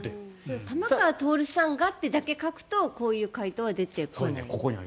玉川徹さんがだけで書くとこういう回答にはならない？